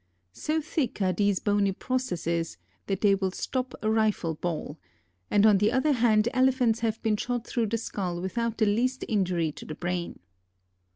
So thick are these bony processes that they will stop a rifle ball; and on the other hand Elephants have been shot through the skull without the least injury to the brain.